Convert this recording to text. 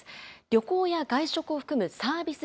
旅行や外食を含むサービス